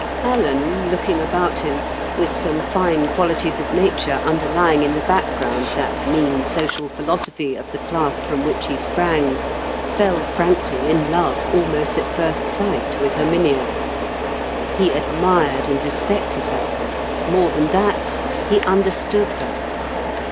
Alan, "looking about him," with some fine qualities of nature underlying in the background that mean social philosophy of the class from which he sprang, fell frankly in love almost at first sight with Herminia. He admired and respected her. More than that, he understood her.